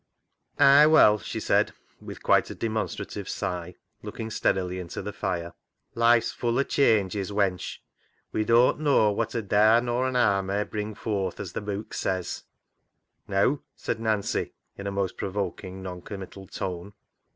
" Ay, well !" she said with quite a demon strative sigh, looking steadily into the fire, " life's full o' changes, wench. We doan't 62 CLOG SHOP CHRONICLES knaw wot a daa nor an haar may bring forth, as th' Beuk says." " Neaw," said Nancy in a most provoking non committal tone.